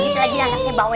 suruh gangguin orang aja